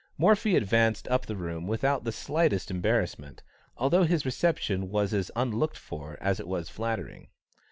Morphy advanced up the room without the slightest embarrassment, although his reception was as unlooked for as it was flattering.